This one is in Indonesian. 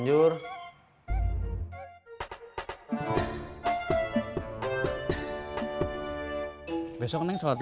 ya makasih makasih ya sign color